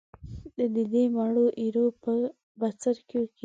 د دې مړو ایرو په بڅرکیو کې.